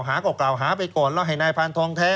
หาก็กล่าวหาไปก่อนแล้วให้นายพานทองแท้